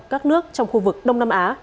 các nước trong khu vực đông nam á